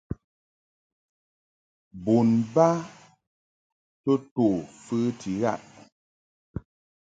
Bon ba to to fəti ghaʼ.